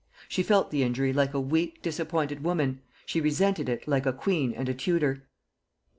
She felt the injury like a weak disappointed woman, she resented it like a queen and a Tudor.